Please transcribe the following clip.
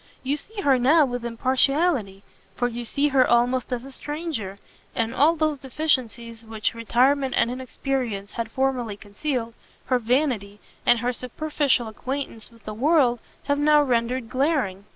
You see her now with impartiality, for you see her almost as a stranger, and all those deficiencies which retirement and inexperience had formerly concealed, her vanity, and her superficial acquaintance with the world, have now rendered glaring.